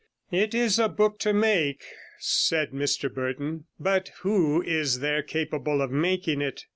'It is a book to make,' said Mr Burton, 'but who is there capable of making it?